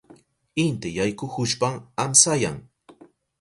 Inti yaykuhushpan amsayan.